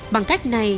bằng cách này